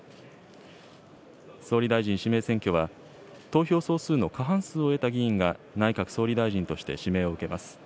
総理大臣指名選挙は、投票総数の過半数を得た議員が内閣総理大臣として指名を受けます。